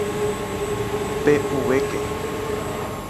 ¡Pe'uvéke!